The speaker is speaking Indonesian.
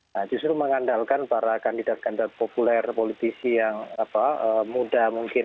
nah justru mengandalkan para kandidat kandidat populer politisi yang muda mungkin